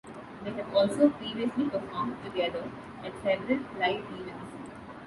They have also previously performed together at several live events.